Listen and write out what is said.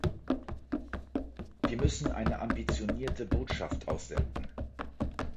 Wir müssen eine ambitionierte Botschaft aussenden.